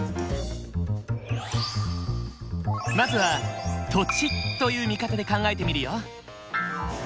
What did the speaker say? まずは土地という見方で考えてみるよ。